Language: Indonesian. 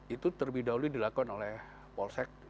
itu terlebih dahulu dilakukan oleh polsek